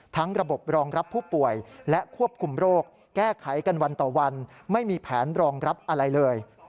ระบบรองรับผู้ป่วยและควบคุมโรคแก้ไขกันวันต่อวันไม่มีแผนรองรับอะไรเลย